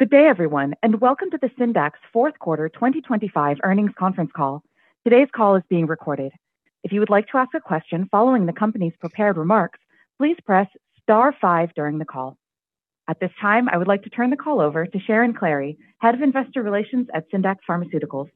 Good day, everyone. Welcome to the Syndax fourth quarter 2025 earnings conference call. Today's call is being recorded. If you would like to ask a question following the company's prepared remarks, please press star five during the call. At this time, I would like to turn the call over to Sharon Klahre, Head of Investor Relations at Syndax Pharmaceuticals.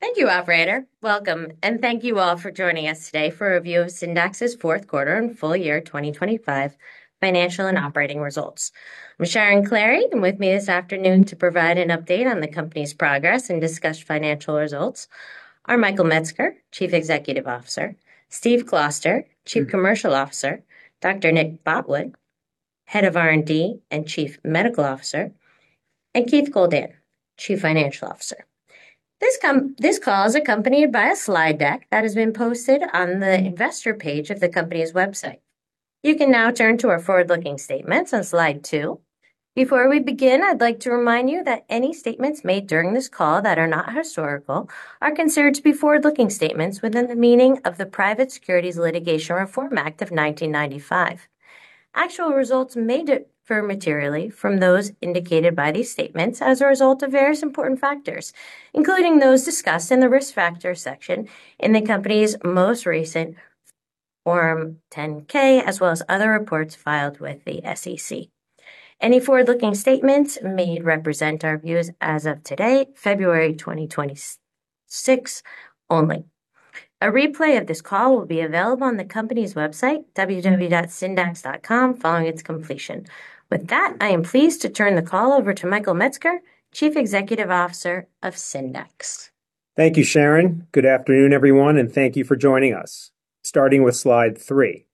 Thank you, operator. Welcome, and thank you all for joining us today for a review of Syndax's fourth quarter and full year 2025 financial and operating results. I'm Sharon Klahre, and with me this afternoon to provide an update on the company's progress and discuss financial results are Michael Metzger, Chief Executive Officer; Steve Closter, Chief Commercial Officer; Dr. Nick Botwood, Head of R&D and Chief Medical Officer; and Keith Goldan, Chief Financial Officer. This call is accompanied by a slide deck that has been posted on the investor page of the company's website. You can now turn to our forward-looking statements on slide two. Before we begin, I'd like to remind you that any statements made during this call that are not historical are considered to be forward-looking statements within the meaning of the Private Securities Litigation Reform Act of 1995. Actual results may differ materially from those indicated by these statements as a result of various important factors, including those discussed in the Risk Factors section in the company's most recent Form 10-K, as well as other reports filed with the SEC. Any forward-looking statements made represent our views as of today, February 2026 only. A replay of this call will be available on the company's website, www.syndax.com, following its completion. I am pleased to turn the call over to Michael Metzger, Chief Executive Officer of Syndax. Thank you, Sharon. Good afternoon, everyone, and thank you for joining us. Starting with slide three.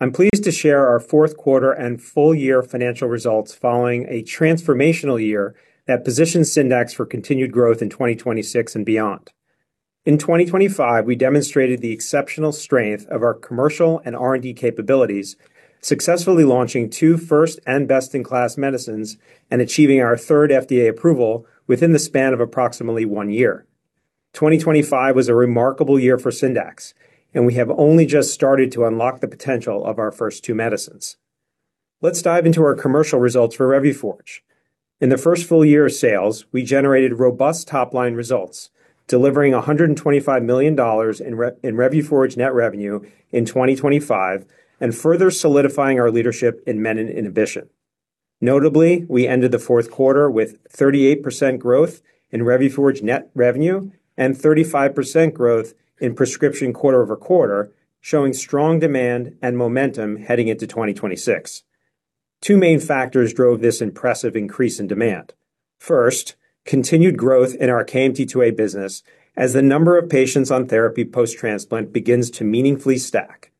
I'm pleased to share our fourth quarter and full year financial results following a transformational year that positions Syndax for continued growth in 2026 and beyond. In 2025, we demonstrated the exceptional strength of our commercial and R&D capabilities, successfully launching two first and best-in-class medicines and achieving our third FDA approval within the span of approximately one year. 2025 was a remarkable year for Syndax, and we have only just started to unlock the potential of our first two medicines. Let's dive into our commercial results for Revuforj. In the first full year of sales, we generated robust top-line results, delivering $125 million in Revuforj net revenue in 2025 and further solidifying our leadership in menin inhibition. Notably, we ended the fourth quarter with 38% growth in Revuforj net revenue and 35% growth in prescription quarter-over-quarter, showing strong demand and momentum heading into 2026. Two main factors drove this impressive increase in demand. First, continued growth in our KMT2A business as the number of patients on therapy post-transplant begins to meaningfully stack.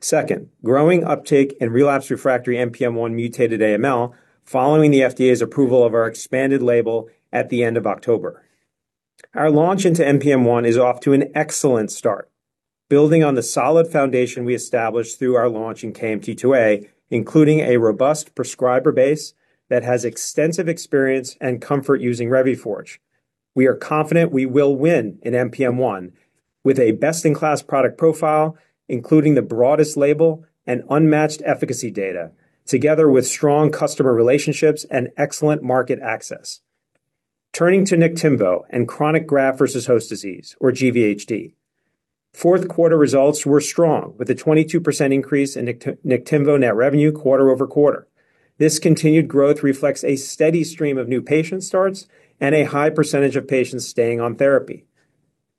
Second, growing uptake in relapse refractory NPM1 mutated AML following the FDA's approval of our expanded label at the end of October. Our launch into NPM1 is off to an excellent start, building on the solid foundation we established through our launch in KMT2A, including a robust prescriber base that has extensive experience and comfort using Revuforj. We are confident we will win in NPM1 with a best-in-class product profile, including the broadest label and unmatched efficacy data together with strong customer relationships and excellent market access. Turning to Niktimvo and chronic graft versus host disease, or GVHD. Fourth quarter results were strong, with a 22% increase in Niktimvo net revenue quarter-over-quarter. This continued growth reflects a steady stream of new patient starts and a high percentage of patients staying on therapy.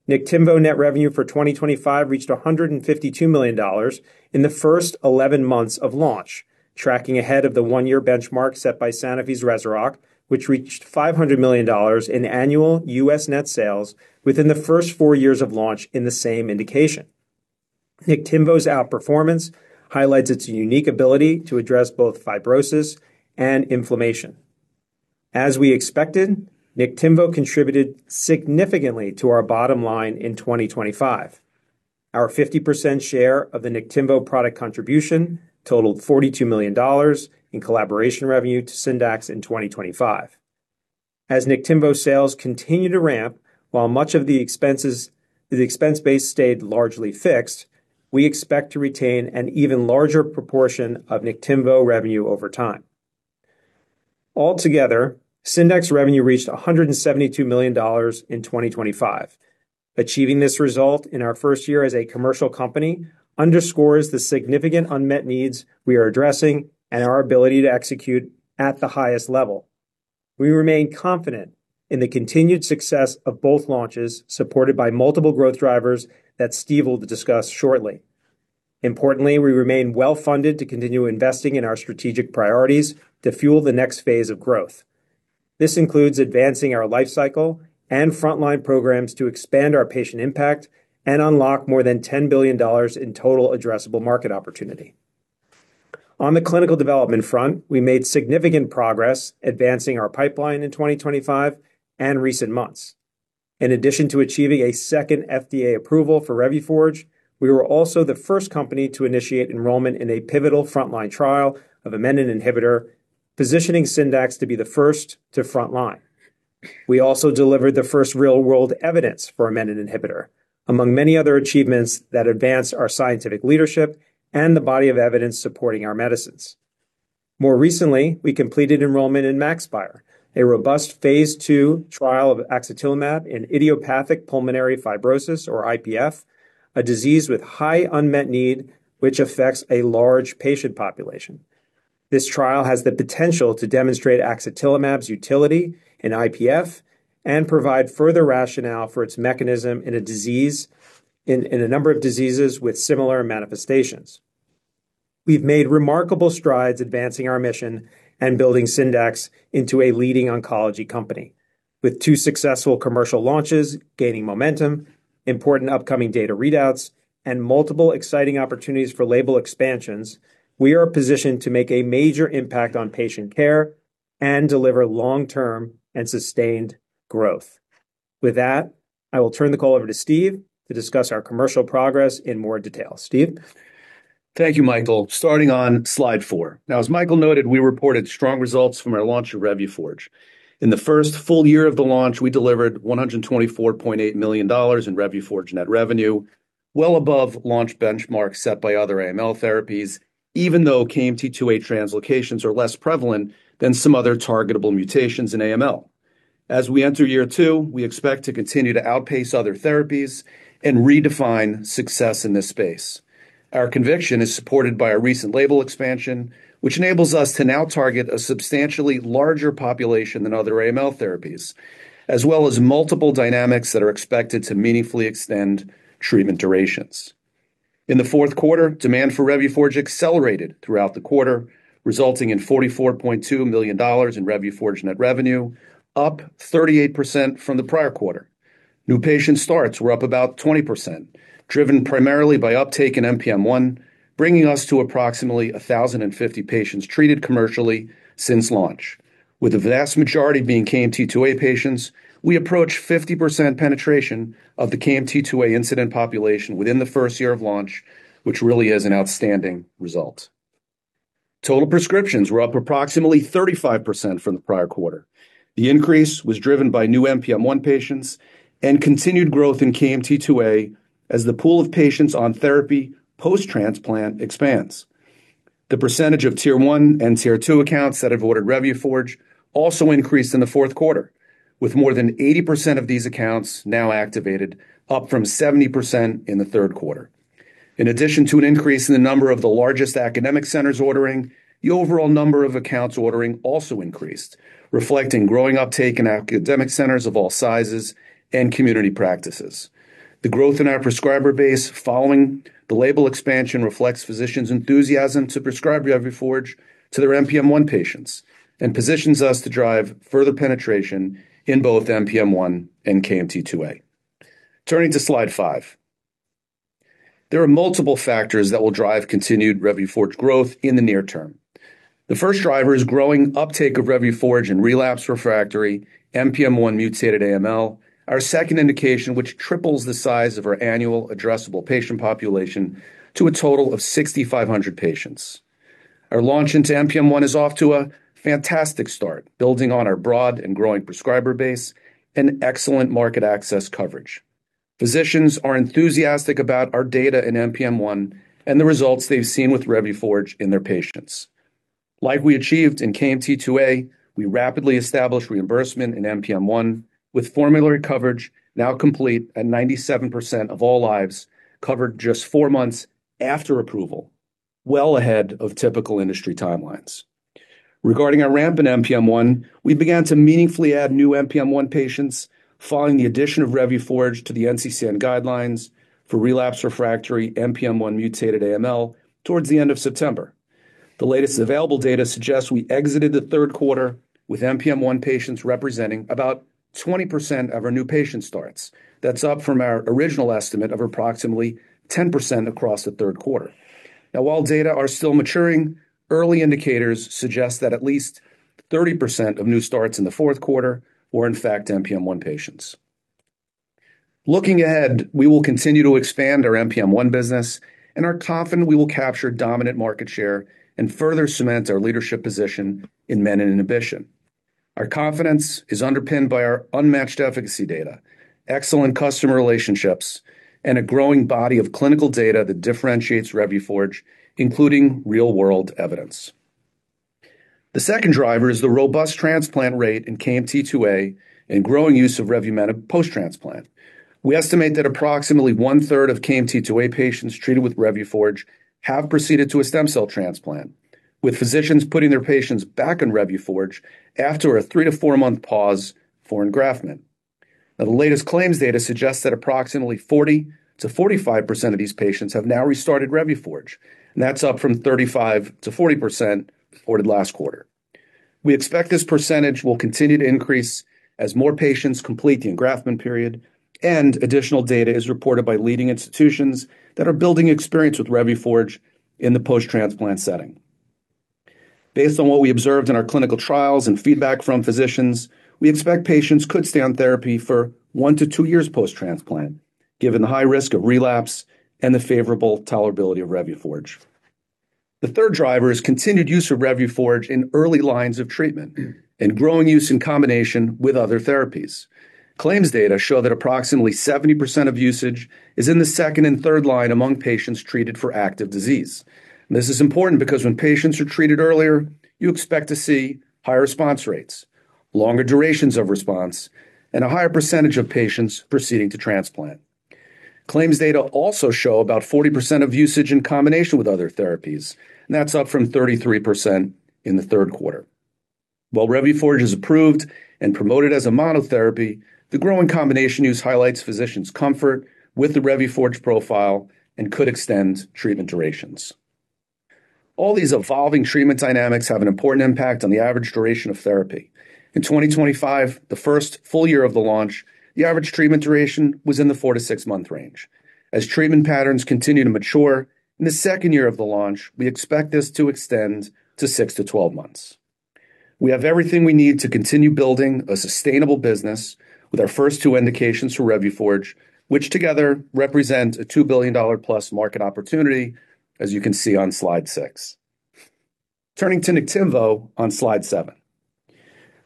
Niktimvo net revenue for 2025 reached $152 million in the first 11 months of launch, tracking ahead of the one-year benchmark set by Sanofi's REZUROCK, which reached $500 million in annual U.S. net sales within the first four years of launch in the same indication. Niktimvo's outperformance highlights its unique ability to address both fibrosis and inflammation. As we expected, Niktimvo contributed significantly to our bottom line in 2025. Our 50% share of the Niktimvo product contribution totaled $42 million in collaboration revenue to Syndax in 2025. As Niktimvo sales continue to ramp while much of the expenses, the expense base stayed largely fixed, we expect to retain an even larger proportion of Niktimvo revenue over time. Altogether, Syndax revenue reached $172 million in 2025. Achieving this result in our first year as a commercial company underscores the significant unmet needs we are addressing and our ability to execute at the highest level. We remain confident in the continued success of both launches, supported by multiple growth drivers that Steve will discuss shortly. Importantly, we remain well-funded to continue investing in our strategic priorities to fuel the next phase of growth. This includes advancing our life cycle and frontline programs to expand our patient impact and unlock more than $10 billion in total addressable market opportunity. On the clinical development front, we made significant progress advancing our pipeline in 2025 and recent months. In addition to achieving a second FDA approval for Revuforj, we were also the first company to initiate enrollment in a pivotal frontline trial of a menin inhibitor, positioning Syndax to be the first to frontline. Among many other achievements that advance our scientific leadership and the body of evidence supporting our medicines. More recently, we completed enrollment in MAXPIRe, a robust phase II trial of axatilimab in idiopathic pulmonary fibrosis, or IPF, a disease with high unmet need which affects a large patient population. This trial has the potential to demonstrate axatilimab's utility in IPF and provide further rationale for its mechanism in a number of diseases with similar manifestations. We've made remarkable strides advancing our mission and building Syndax into a leading oncology company. With two successful commercial launches gaining momentum, important upcoming data readouts, and multiple exciting opportunities for label expansions, we are positioned to make a major impact on patient care and deliver long-term and sustained growth. With that, I will turn the call over to Steve to discuss our commercial progress in more detail. Steve? Thank you, Michael. Starting on slide four. As Michael noted, we reported strong results from our launch of Revuforj. In the first full year of the launch, we delivered $124.8 million in Revuforj net revenue, well above launch benchmarks set by other AML therapies, even though KMT2A translocations are less prevalent than some other targetable mutations in AML. As we enter year two, we expect to continue to outpace other therapies and redefine success in this space. Our conviction is supported by a recent label expansion, which enables us to now target a substantially larger population than other AML therapies, as well as multiple dynamics that are expected to meaningfully extend treatment durations. In the fourth quarter, demand for Revuforj accelerated throughout the quarter, resulting in $44.2 million in Revuforj net revenue, up 38% from the prior quarter. New patient starts were up about 20%, driven primarily by uptake in NPM1, bringing us to approximately 1,050 patients treated commercially since launch. With the vast majority being KMT2A patients, we approach 50% penetration of the KMT2A incident population within the 1st year of launch, which really is an outstanding result. Total prescriptions were up approximately 35% from the prior quarter. The increase was driven by new NPM1 patients and continued growth in KMT2A as the pool of patients on therapy post-transplant expands. The percentage of Tier 1 and Tier 2 accounts that have ordered Revuforj also increased in the fourth quarter, with more than 80% of these accounts now activated, up from 70% in the third quarter. In addition to an increase in the number of the largest academic centers ordering, the overall number of accounts ordering also increased, reflecting growing uptake in academic centers of all sizes and community practices. The growth in our prescriber base following the label expansion reflects physicians' enthusiasm to prescribe Revuforj to their NPM1 patients and positions us to drive further penetration in both NPM1 and KMT2A. Turning to slide five. There are multiple factors that will drive continued Revuforj growth in the near term. The first driver is growing uptake of Revuforj in relapse refractory NPM1-mutated AML, our second indication which triples the size of our annual addressable patient population to a total of 6,500 patients. Our launch into NPM1 is off to a fantastic start, building on our broad and growing prescriber base and excellent market access coverage. Physicians are enthusiastic about our data in NPM1 and the results they've seen with Revuforj in their patients. Like we achieved in KMT2A, we rapidly established reimbursement in NPM1 with formulary coverage now complete at 97% of all lives covered just four months after approval, well ahead of typical industry timelines. Regarding our ramp in NPM1, we began to meaningfully add new NPM1 patients following the addition of Revuforj to the NCCN Guidelines for relapse refractory NPM1-mutated AML towards the end of September. The latest available data suggests we exited the third quarter with NPM1 patients representing about 20% of our new patient starts. That's up from our original estimate of approximately 10% across the third quarter. While data are still maturing, early indicators suggest that at least 30% of new starts in the fourth quarter were in fact NPM1 patients. Looking ahead, we will continue to expand our NPM1 business and are confident we will capture dominant market share and further cement our leadership position in menin inhibition. Our confidence is underpinned by our unmatched efficacy data, excellent customer relationships, and a growing body of clinical data that differentiates Revuforj, including real-world evidence. The second driver is the robust transplant rate in KMT2A and growing use of Revuforj post-transplant. We estimate that approximately 1/3 of KMT2A patients treated with Revuforj have proceeded to a stem cell transplant, with physicians putting their patients back on Revuforj after a three-to-four-month pause for engraftment. The latest claims data suggests that approximately 40%-45% of these patients have now restarted Revuforj, and that's up from 35%-40% reported last quarter. We expect this percentage will continue to increase as more patients complete the engraftment period and additional data is reported by leading institutions that are building experience with Revuforj in the post-transplant setting. Based on what we observed in our clinical trials and feedback from physicians, we expect patients could stay on therapy for one to two years post-transplant, given the high risk of relapse and the favorable tolerability of Revuforj. The third driver is continued use of Revuforj in early lines of treatment and growing use in combination with other therapies. Claims data show that approximately 70% of usage is in the second and third line among patients treated for active disease. This is important because when patients are treated earlier, you expect to see higher response rates, longer durations of response, and a higher percentage of patients proceeding to transplant. Claims data also show about 40% of usage in combination with other therapies, that's up from 33% in the third quarter. While Revuforj is approved and promoted as a monotherapy, the growing combination use highlights physicians' comfort with the Revuforj profile and could extend treatment durations. All these evolving treatment dynamics have an important impact on the average duration of therapy. In 2025, the first full year of the launch, the average treatment duration was in the four-six month range. As treatment patterns continue to mature, in the second year of the launch, we expect this to extend to six-12 months. We have everything we need to continue building a sustainable business with our first two indications for Revuforj, which together represent a $2+ billion market opportunity, as you can see on slide six. Turning to Niktimvo on slide seven.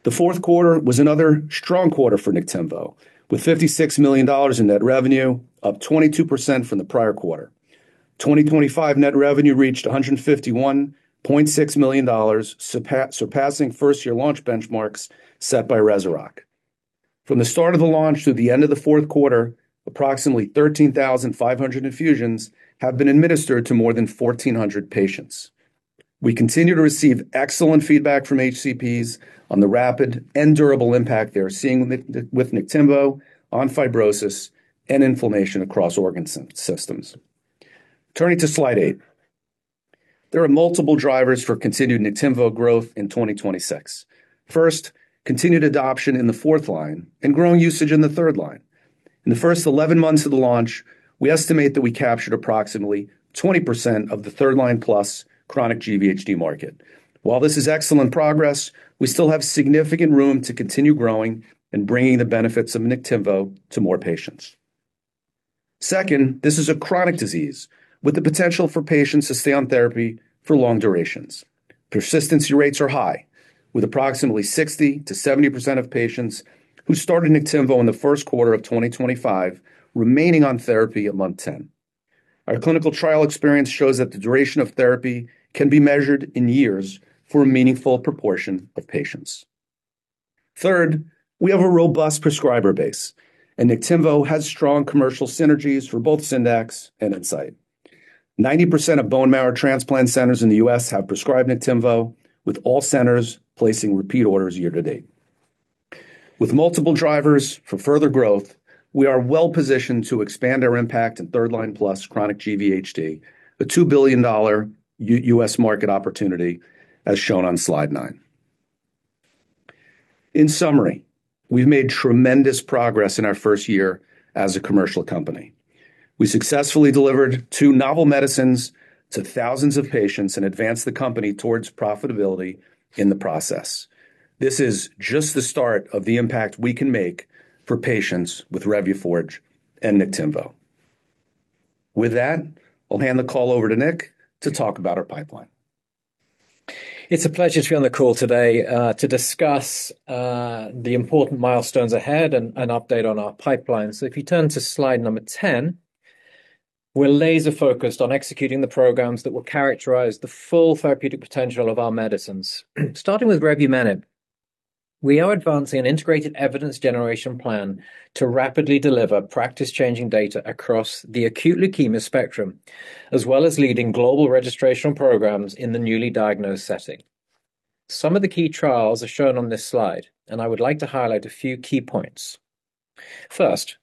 The fourth quarter was another strong quarter for Niktimvo, with $56 million in net revenue, up 22% from the prior quarter. 2025 net revenue reached $151.6 million, surpassing first-year launch benchmarks set by REZUROCK. From the start of the launch through the end of the fourth quarter, approximately 13,500 infusions have been administered to more than 1,400 patients. We continue to receive excellent feedback from HCPs on the rapid and durable impact they are seeing with Niktimvo on fibrosis and inflammation across organ systems. Turning to slide eight. There are multiple drivers for continued Niktimvo growth in 2026. First, continued adoption in the fourth line and growing usage in the third line. In the first 11 months of the launch, we estimate that we captured approximately 20% of the third-line-plus chronic GVHD market. While this is excellent progress, we still have significant room to continue growing and bringing the benefits of Niktimvo to more patients. Second, this is a chronic disease with the potential for patients to stay on therapy for long durations. Persistency rates are high, with approximately 60%-70% of patients who started Niktimvo in the first quarter of 2025 remaining on therapy at month 10. Our clinical trial experience shows that the duration of therapy can be measured in years for a meaningful proportion of patients. Third, we have a robust prescriber base, and Niktimvo has strong commercial synergies for both Syndax and Incyte. 90% of bone marrow transplant centers in the U.S. have prescribed Niktimvo, with all centers placing repeat orders year to date. With multiple drivers for further growth, we are well-positioned to expand our impact in third-line-plus chronic GVHD, a $2 billion U.S. market opportunity, as shown on slide nine. In summary, we've made tremendous progress in our first year as a commercial company. We successfully delivered two novel medicines to thousands of patients and advanced the company towards profitability in the process. This is just the start of the impact we can make for patients with Revuforj and Niktimvo. With that, I'll hand the call over to Nick to talk about our pipeline. It's a pleasure to be on the call today, to discuss the important milestones ahead and update on our pipeline. If you turn to slide number 10, we're laser-focused on executing the programs that will characterize the full therapeutic potential of our medicines. Starting with revumenib. We are advancing an integrated evidence generation plan to rapidly deliver practice-changing data across the acute leukemia spectrum, as well as leading global registrational programs in the newly diagnosed setting. Some of the key trials are shown on this slide, and I would like to highlight a few key points. First,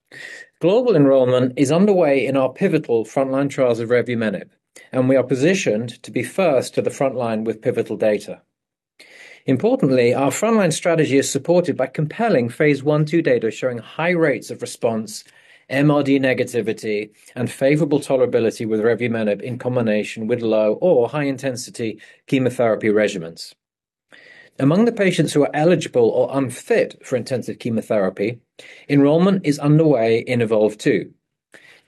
global enrollment is underway in our pivotal frontline trials of revumenib, and we are positioned to be first to the frontline with pivotal data. Importantly, our frontline strategy is supported by compelling phase I/II data showing high rates of response, MRD negativity, and favorable tolerability with revumenib in combination with low or high-intensity chemotherapy regimens. Among the patients who are eligible or unfit for intensive chemotherapy, enrollment is underway in EVOLVE-2.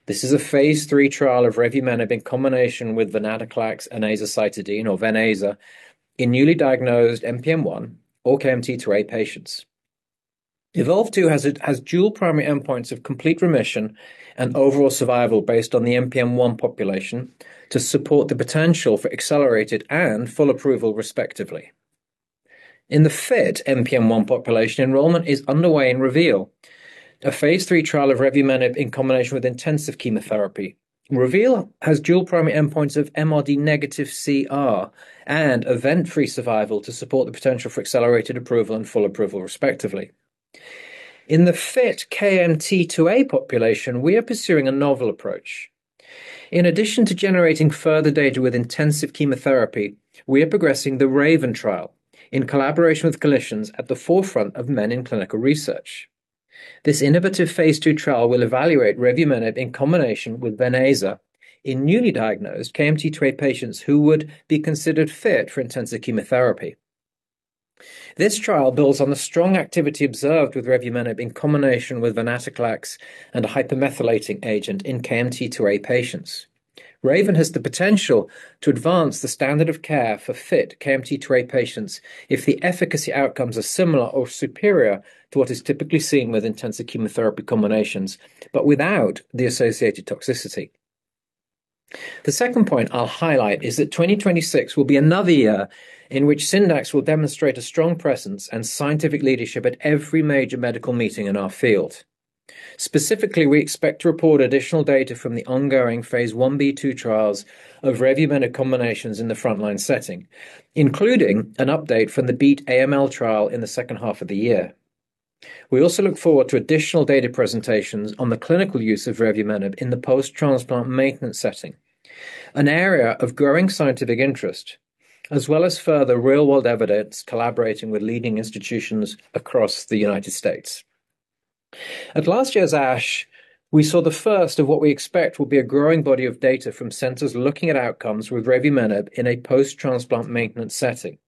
This is a phase III trial of revumenib in combination with venetoclax and azacitidine, or ven/aza, in newly diagnosed NPM1 or KMT2A patients. EVOLVE-2 has dual primary endpoints of complete remission and overall survival based on the NPM1 population to support the potential for accelerated and full approval, respectively. In the fit NPM1 population, enrollment is underway in REVEAL, a phase III trial of revumenib in combination with intensive chemotherapy. REVEAL has dual primary endpoints of MRD negative CR and event-free survival to support the potential for accelerated approval and full approval, respectively. In the fit KMT2A population, we are pursuing a novel approach. In addition to generating further data with intensive chemotherapy, we are progressing the RAVEN trial in collaboration with coalitions at the forefront of menin clinical research. This innovative phase II trial will evaluate revumenib in combination with ven/aza in newly diagnosed KMT2A patients who would be considered fit for intensive chemotherapy. This trial builds on the strong activity observed with revumenib in combination with venetoclax and a hypomethylating agent in KMT2A patients. RAVEN has the potential to advance the standard of care for fit KMT2A patients if the efficacy outcomes are similar or superior to what is typically seen with intensive chemotherapy combinations, but without the associated toxicity. The second point I'll highlight is that 2026 will be another year in which Syndax will demonstrate a strong presence and scientific leadership at every major medical meeting in our field. Specifically, we expect to report additional data from the ongoing phase I-B/II trials of revumenib combinations in the frontline setting, including an update from the BEAT AML trial in the second half of the year. We also look forward to additional data presentations on the clinical use of revumenib in the post-transplant maintenance setting, an area of growing scientific interest, as well as further real-world evidence collaborating with leading institutions across the United States. At last year's ASH, we saw the first of what we expect will be a growing body of data from centers looking at outcomes with revumenib in a post-transplant maintenance setting.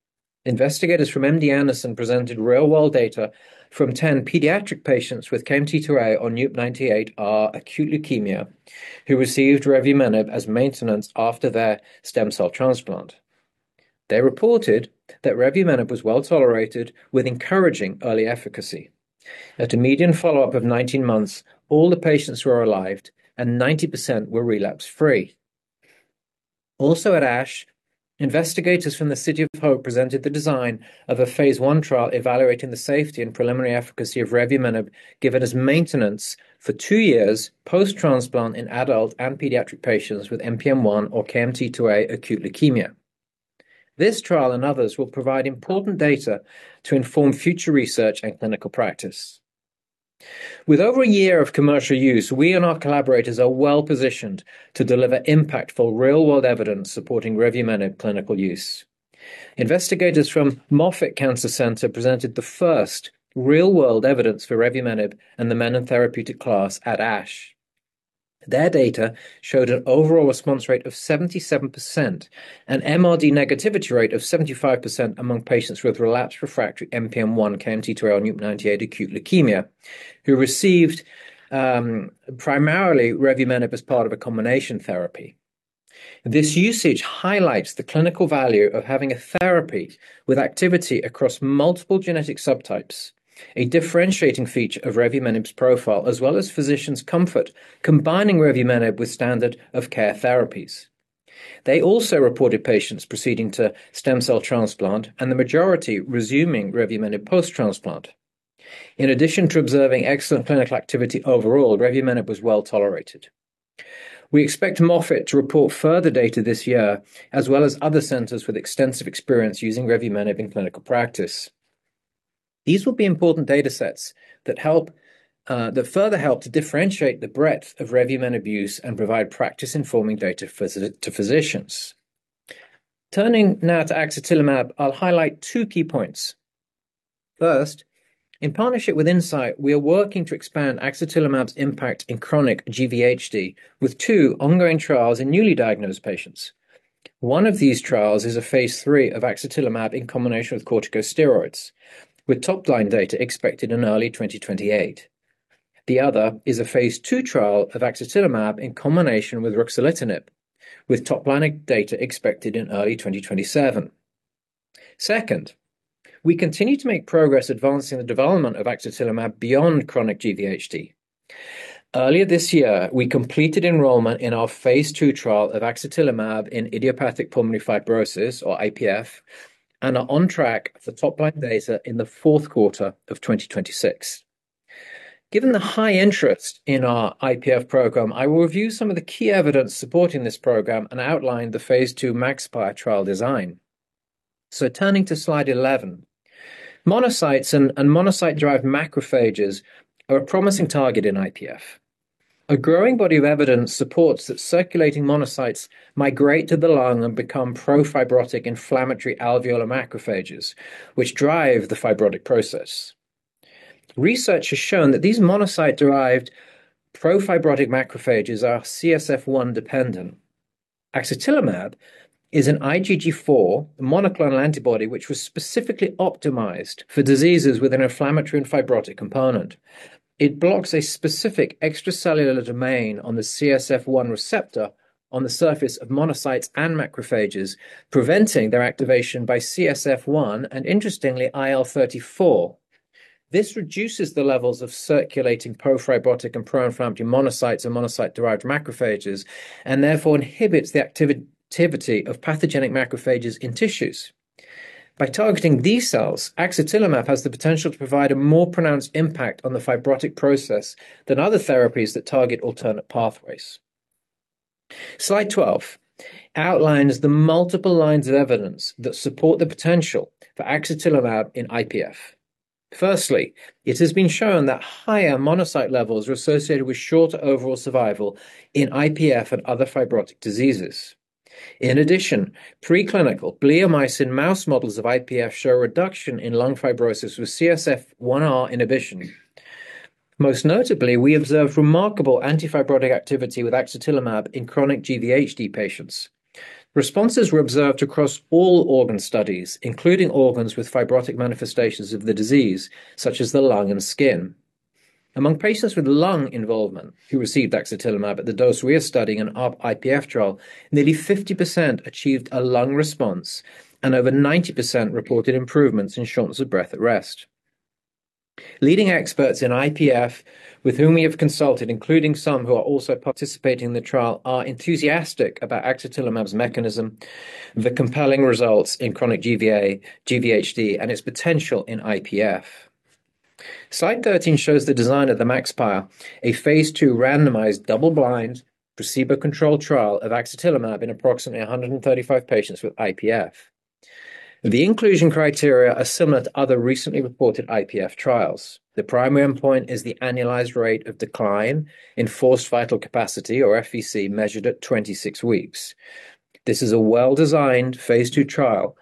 Investigators from MD Anderson presented real-world data from 10 pediatric patients with KMT2A or NUP98r acute leukemia, who received revumenib as maintenance after their stem cell transplant. They reported that revumenib was well tolerated with encouraging early efficacy. At a median follow-up of 19 months, all the patients were alive, and 90% were relapse-free. At ASH, investigators from the City of Hope presented the design of a phase I trial evaluating the safety and preliminary efficacy of revumenib, given as maintenance for two years post-transplant in adult and pediatric patients with NPM1 or KMT2A acute leukemia. This trial and others will provide important data to inform future research and clinical practice. With over a year of commercial use, we and our collaborators are well-positioned to deliver impactful real-world evidence supporting revumenib clinical use. Investigators from Moffitt Cancer Center presented the first real-world evidence for revumenib and the menin therapeutic class at ASH. Their data showed an overall response rate of 77% and MRD negativity rate of 75% among patients with relapsed/refractory NPM1, KMT2A, or NUP98 acute leukemia, who received primarily revumenib as part of a combination therapy. This usage highlights the clinical value of having a therapy with activity across multiple genetic subtypes, a differentiating feature of revumenib's profile, as well as physicians' comfort, combining revumenib with standard of care therapies. They also reported patients proceeding to stem cell transplant and the majority resuming revumenib post-transplant. In addition to observing excellent clinical activity overall, revumenib was well tolerated. We expect Moffitt to report further data this year, as well as other centers with extensive experience using revumenib in clinical practice. These will be important data sets that help that further help to differentiate the breadth of revumenib use and provide practice-informing data to physicians. Turning now to axatilimab, I'll highlight two key points. First, in partnership with Incyte, we are working to expand axatilimab's impact in chronic GVHD with two ongoing trials in newly diagnosed patients. One of these trials is a phase III of axatilimab in combination with corticosteroids, with top-line data expected in early 2028. The other is a phase II trial of axatilimab in combination with ruxolitinib, with top-line data expected in early 2027. Second, we continue to make progress advancing the development of axatilimab beyond chronic GVHD. Earlier this year, we completed enrollment in our phase II trial of axatilimab in idiopathic pulmonary fibrosis, or IPF, and are on track for top-line data in the fourth quarter of 2026. Given the high interest in our IPF program, I will review some of the key evidence supporting this program and outline the phase II MAXPIRe trial design. Turning to slide 11. Monocytes and monocyte-derived macrophages are a promising target in IPF. A growing body of evidence supports that circulating monocytes migrate to the lung and become pro-fibrotic inflammatory alveolar macrophages, which drive the fibrotic process. Research has shown that these monocyte-derived pro-fibrotic macrophages are CSF-1 dependent. Axatilimab is an IgG4 monoclonal antibody, which was specifically optimized for diseases with an inflammatory and fibrotic component. It blocks a specific extracellular domain on the CSF-1 receptor on the surface of monocytes and macrophages, preventing their activation by CSF-1 and interestingly, IL-34. This reduces the levels of circulating pro-fibrotic and pro-inflammatory monocytes and monocyte-derived macrophages and therefore inhibits the activity of pathogenic macrophages in tissues. By targeting these cells, axatilimab has the potential to provide a more pronounced impact on the fibrotic process than other therapies that target alternate pathways. Slide 12 outlines the multiple lines of evidence that support the potential for axatilimab in IPF. Firstly, it has been shown that higher monocyte levels are associated with shorter overall survival in IPF and other fibrotic diseases. In addition, preclinical bleomycin mouse models of IPF show a reduction in lung fibrosis with CSF-1R inhibition. Most notably, we observed remarkable anti-fibrotic activity with axatilimab in chronic GVHD patients. Responses were observed across all organ studies, including organs with fibrotic manifestations of the disease, such as the lung and skin. Among patients with lung involvement who received axatilimab at the dose we are studying in our IPF trial, nearly 50% achieved a lung response, and over 90% reported improvements in shortness of breath at rest. Leading experts in IPF with whom we have consulted, including some who are also participating in the trial, are enthusiastic about axatilimab's mechanism, the compelling results in chronic GVHD, and its potential in IPF. Slide 13 shows the design of the MAXPIRe, a phase II randomized, double-blind, placebo-controlled trial of axatilimab in approximately 135 patients with IPF. The inclusion criteria are similar to other recently reported IPF trials. The primary endpoint is the annualized rate of decline in forced vital capacity, or FVC, measured at 26 weeks. This is a well-designed phase II trial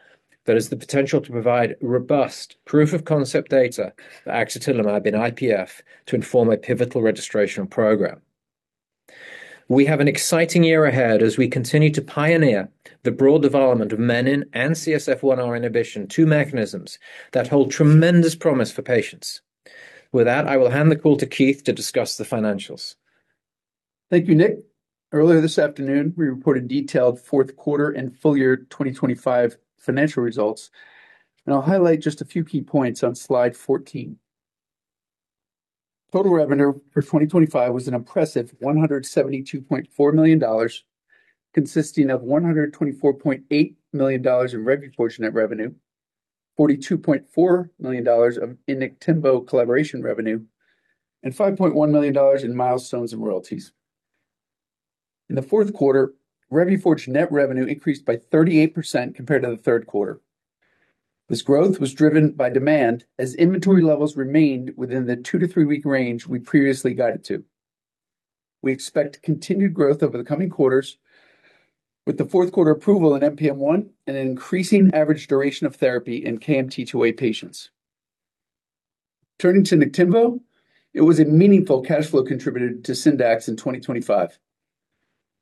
that has the potential to provide robust proof-of-concept data for axatilimab in IPF to inform a pivotal registration program. We have an exciting year ahead as we continue to pioneer the broad development of menin and CSF-1R inhibition, two mechanisms that hold tremendous promise for patients. With that, I will hand the call to Keith to discuss the financials. Thank you, Nick. Earlier this afternoon, we reported detailed fourth quarter and full year 2025 financial results, and I'll highlight just a few key points on slide 14. Total revenue for 2025 was an impressive $172.4 million, consisting of $124.8 million in Revuforj net revenue, $42.4 million of Niktimvo collaboration revenue, and $5.1 million in milestones and royalties. In the fourth quarter, Revuforj net revenue increased by 38% compared to the third quarter. This growth was driven by demand, as inventory levels remained within the two-three week range we previously guided to. We expect continued growth over the coming quarters, with the fourth quarter approval in NPM1 and an increasing average duration of therapy in KMT2A patients. Turning to Niktimvo, it was a meaningful cash flow contributor to Syndax in 2025.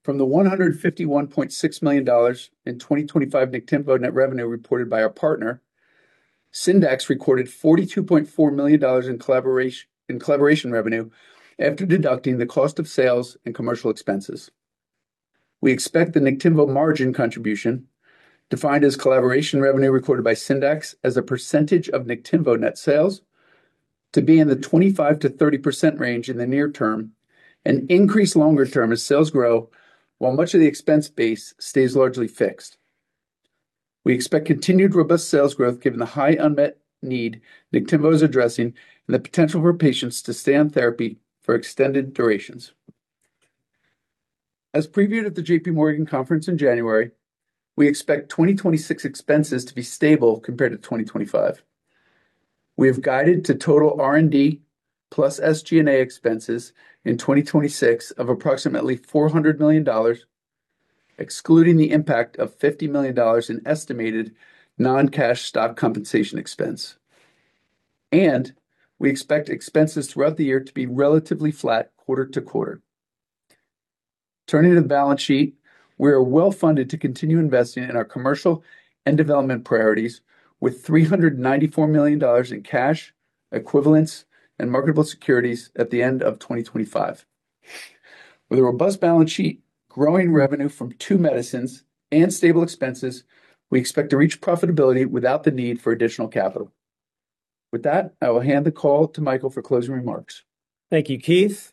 From the $151.6 million in 2025 Niktimvo net revenue reported by our partner, Syndax recorded $42.4 million in collaboration revenue after deducting the cost of sales and commercial expenses. We expect the Niktimvo margin contribution, defined as collaboration revenue recorded by Syndax as a percentage of Niktimvo net sales, to be in the 25%-30% range in the near term and increase longer term as sales grow, while much of the expense base stays largely fixed. We expect continued robust sales growth given the high unmet need Niktimvo is addressing and the potential for patients to stay on therapy for extended durations. As previewed at the JPMorgan conference in January, we expect 2026 expenses to be stable compared to 2025. We have guided to total R&D plus SG&A expenses in 2026 of approximately $400 million, excluding the impact of $50 million in estimated non-cash stock compensation expense. We expect expenses throughout the year to be relatively flat quarter to quarter. Turning to the balance sheet, we are well-funded to continue investing in our commercial and development priorities, with $394 million in cash, equivalents, and marketable securities at the end of 2025. With a robust balance sheet, growing revenue from two medicines, and stable expenses, we expect to reach profitability without the need for additional capital. I will hand the call to Michael for closing remarks. Thank you, Keith.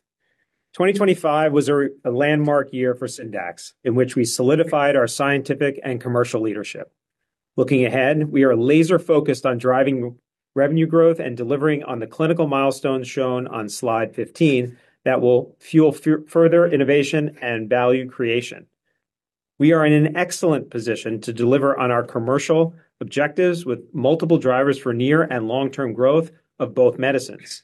2025 was a landmark year for Syndax in which we solidified our scientific and commercial leadership. Looking ahead, we are laser-focused on driving revenue growth and delivering on the clinical milestones shown on Slide 15 that will fuel further innovation and value creation. We are in an excellent position to deliver on our commercial objectives, with multiple drivers for near and long-term growth of both medicines.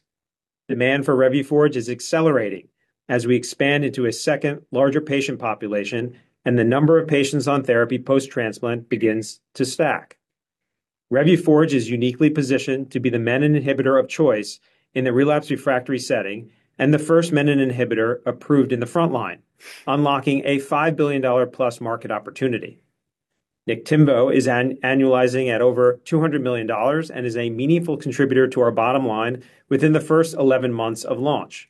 Demand for Revuforj is accelerating as we expand into a second, larger patient population and the number of patients on therapy post-transplant begins to stack. Revuforj is uniquely positioned to be the menin inhibitor of choice in the relapsed refractory setting and the first menin inhibitor approved in the front line, unlocking a $5+ billion market opportunity. Niktimvo is annualizing at over $200 million and is a meaningful contributor to our bottom line within the first 11 months of launch.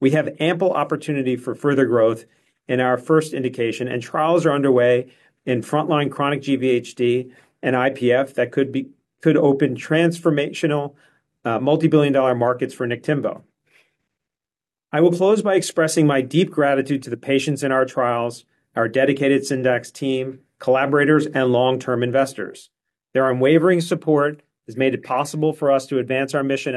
We have ample opportunity for further growth in our first indication, and trials are underway in frontline chronic GVHD and IPF that could open transformational, multibillion-dollar markets for Niktimvo. I will close by expressing my deep gratitude to the patients in our trials, our dedicated Syndax team, collaborators, and long-term investors. Their unwavering support has made it possible for us to advance our mission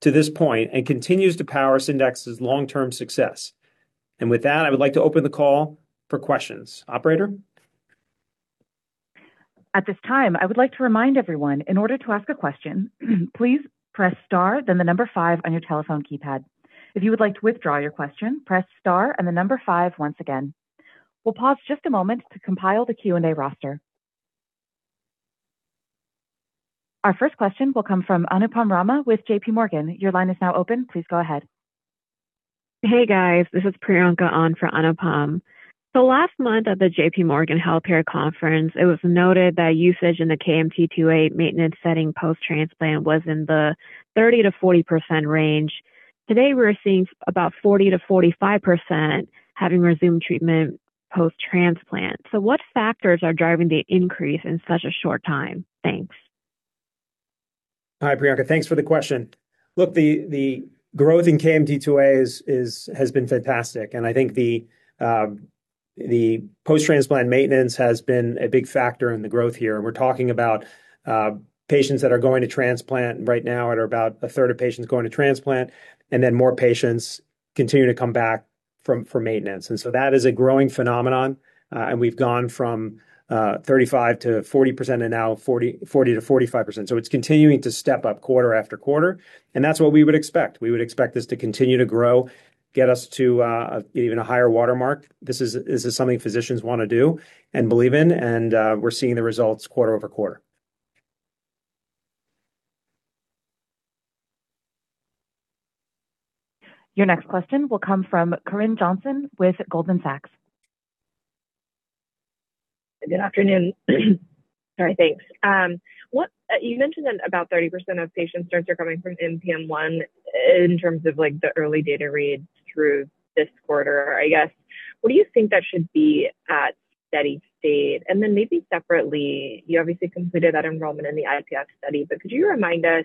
to this point and continues to power Syndax's long-term success. With that, I would like to open the call for questions. Operator? At this time, I would like to remind everyone, in order to ask a question, please press star, then five on your telephone keypad. If you would like to withdraw your question, press star and five once again. We'll pause just a moment to compile the Q&A roster. Our first question will come from Anupam Rama with JPMorgan. Your line is now open. Please go ahead. Hey, guys. This is Priyanka on for Anupam. Last month at the JP Morgan Healthcare Conference, it was noted that usage in the KMT2A maintenance setting post-transplant was in the 30%-40% range. Today, we're seeing about 40%-45% having resumed treatment post-transplant. What factors are driving the increase in such a short time? Thanks. Hi, Priyanka. Thanks for the question. Look, the growth in KMT2A has been fantastic, and I think the post-transplant maintenance has been a big factor in the growth here. We're talking about patients that are going to transplant right now at about a third of patients going to transplant, and then more patients continue to come back from, for maintenance. That is a growing phenomenon, and we've gone from 35%-40% and now 40%-45%. It's continuing to step up quarter after quarter, and that's what we would expect. We would expect this to continue to grow, get us to even a higher watermark. This is something physicians wanna do and believe in, and we're seeing the results quarter-over-quarter. Your next question will come from Corinne Johnson with Goldman Sachs. Good afternoon. Sorry. Thanks. What you mentioned that about 30% of patient starts are coming from NPM1 in terms of, like, the early data reads through this quarter, I guess. What do you think that should be at steady state? Maybe separately, you obviously completed that enrollment in the IPF study, but could you remind us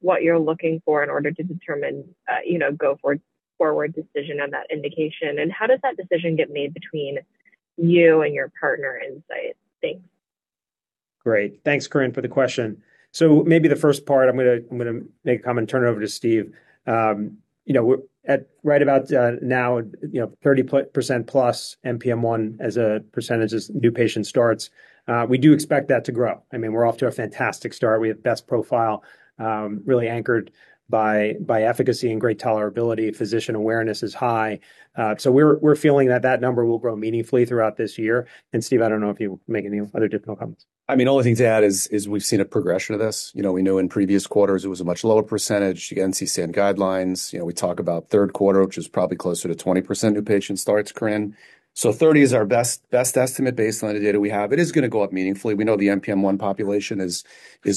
what you're looking for in order to determine, you know, go forward decision on that indication? How does that decision get made between you and your partner, Incyte? Thanks. Great. Thanks, Corinne, for the question. Maybe the first part, I'm gonna make a comment and turn it over to Steve. You know, we're at right about now, you know, 30%+ NPM1 as a percentage of new patient starts. We do expect that to grow. I mean, we're off to a fantastic start. We have best profile, really anchored by efficacy and great tolerability. Physician awareness is high. We're feeling that that number will grow meaningfully throughout this year. Steve, I don't know if you make any other additional comments. I mean, the only thing to add is we've seen a progression of this. You know, we know in previous quarters it was a much lower percentage against NCCN Guidelines. You know, we talk about third quarter, which is probably closer to 20% new patient starts, Corinne. So 30% is our best estimate based on the data we have. It is gonna go up meaningfully. We know the NPM1 population is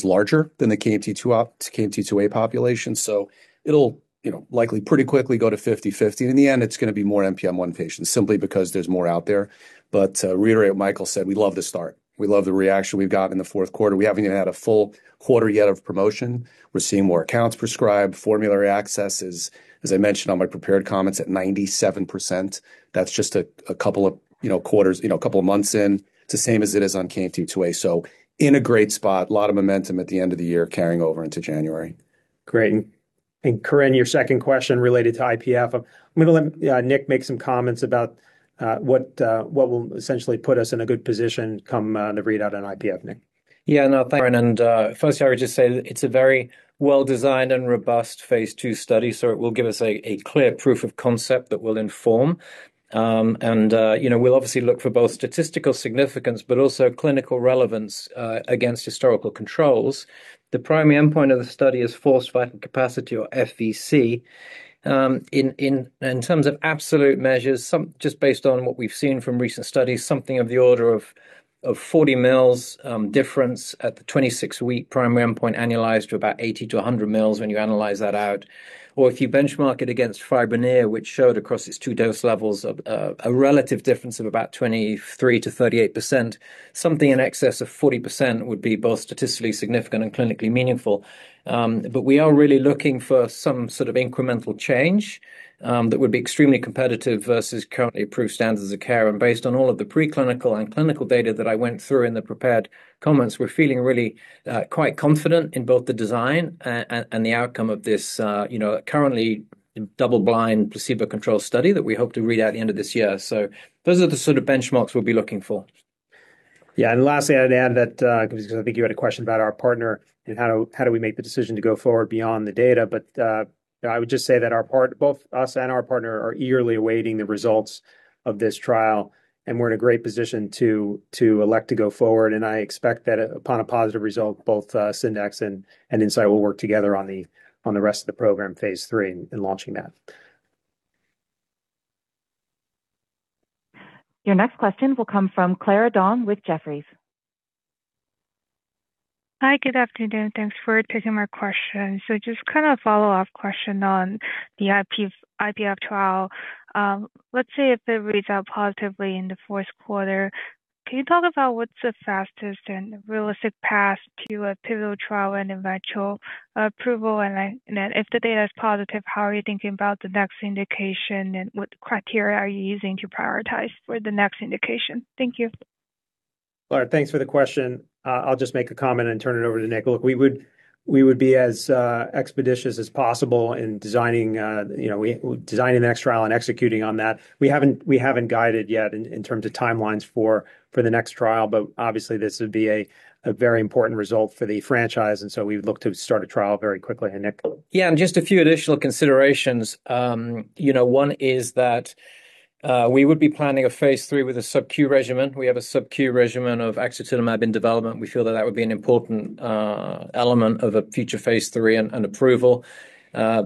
larger than the KMT2A population, so it'll, you know, likely pretty quickly go to 50/50. In the end, it's gonna be more NPM1 patients simply because there's more out there. But to reiterate what Michael said, we love the start. We love the reaction we've got in the fourth quarter. We haven't even had a full quarter yet of promotion. We're seeing more accounts prescribed. Formulary access is, as I mentioned on my prepared comments, at 97%. That's just a couple of, you know, quarters, you know, couple of months in. It's the same as it is on KMT2A. In a great spot, a lot of momentum at the end of the year carrying over into January. Great. Corinne, your second question related to IPF, I'm gonna let Nick make some comments about what will essentially put us in a good position come the readout on IPF. Nick? Yeah, no, thanks. First I would just say it's a very well-designed and robust phase II study, so it will give us a clear proof of concept that will inform. You know, we'll obviously look for both statistical significance but also clinical relevance against historical controls. The primary endpoint of the study is forced vital capacity or FVC. In terms of absolute measures, just based on what we've seen from recent studies, something of the order of 40 mils difference at the 26-week primary endpoint annualized to about 80 to 100 mils when you analyze that out. If you benchmark it against FIBRONEER, which showed across its two dose levels a relative difference of about 23%-38%, something in excess of 40% would be both statistically significant and clinically meaningful. We are really looking for some sort of incremental change, that would be extremely competitive versus currently approved standards of care. Based on all of the preclinical and clinical data that I went through in the prepared comments, we're feeling really, quite confident in both the design and the outcome of this, you know, currently double-blind placebo-controlled study that we hope to read out at the end of this year. Those are the sort of benchmarks we'll be looking for. Yeah. Lastly, I'd add that because I think you had a question about our partner and how do we make the decision to go forward beyond the data. I would just say that both us and our partner are eagerly awaiting the results of this trial, and we're in a great position to elect to go forward. I expect that upon a positive result, both Syndax and Incyte will work together on the rest of the program, phase III, and launching that. Your next question will come from Clara Dong with Jefferies. Hi. Good afternoon. Thanks for taking my question. Just kinda follow-up question on the IP-IPF trial. Let's say if it reads out positively in the fourth quarter, can you talk about what's the fastest and realistic path to a pivotal trial and eventual approval? If the data is positive, how are you thinking about the next indication, and what criteria are you using to prioritize for the next indication? Thank you. Thanks for the question. I'll just make a comment and turn it over to Nick. Look, we would be as expeditious as possible in designing, you know, the next trial and executing on that. We haven't guided yet in terms of timelines for the next trial, obviously this would be a very important result for the franchise, we would look to start a trial very quickly. Nick? Yeah, just a few additional considerations. You know, one is that we would be planning a phase III with a subQ regimen. We have a sub-Q regimen of axatilimab in development. We feel that that would be an important element of a future phase III and approval.